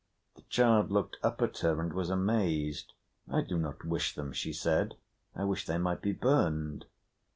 The child looked at her and was amazed. "I do not wish them," she said. "I wish they might be burned."